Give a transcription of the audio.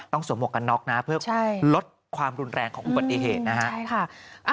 ต้องสวมกันนอกนะเพื่อลดความรุนแรงของอุบัติเหตุนะฮะ